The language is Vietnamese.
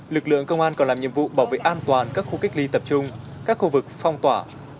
lực lượng công an còn làm nhiệm vụ bảo vệ an toàn các khu cách ly tập trung các khu vực phong tỏa